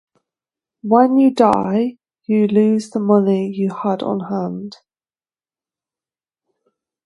When you die you lose the money you had on hand.